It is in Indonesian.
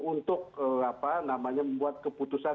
untuk apa namanya membuat keputusan